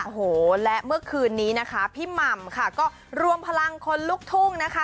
โอ้โหและเมื่อคืนนี้นะคะพี่หม่ำค่ะก็รวมพลังคนลุกทุ่งนะคะ